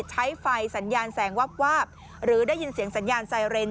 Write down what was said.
ใช้ไฟสัญญาณแสงวาบหรือได้ยินเสียงสัญญาณไซเรน